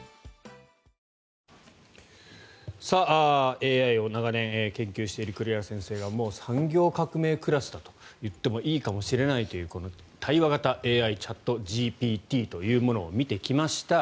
ＡＩを長年研究している栗原先生がもう産業革命クラスだと言ってもいいかもしれないというこの対話型ＡＩチャットＧＰＴというものを見てきました。